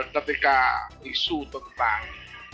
ketika isu tentang